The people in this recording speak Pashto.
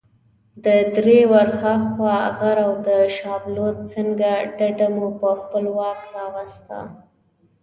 له درې ورهاخوا غر او د شابلوط ځنګله ډډه مو په خپل واک راوسته.